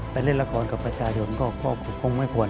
เล่นละครกับประชาชนก็คงไม่ควร